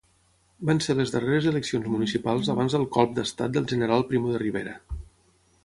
Van ser les darreres eleccions municipals abans del colp d'estat del general Primo de Rivera.